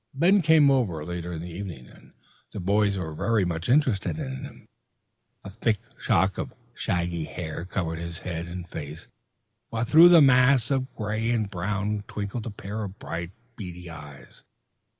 Ben came over later in the evening, and the boys were much interested in him. A thick shock of shaggy hair covered his head and face, while through the mass of gray and brown twinkled a pair of bright, beady eyes.